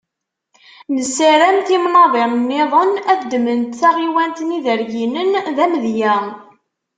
Nessaram timnaḍin-nniḍen ad ddment taɣiwant n Iderginen d amedya.